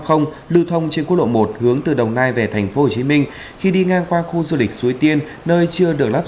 ở tỉnh quảng ngãi vẫn diễn biến hết sức phức tạp